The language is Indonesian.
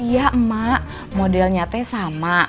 iya emak modelnya sama